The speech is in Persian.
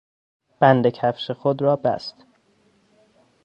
بند کفش خود را بست.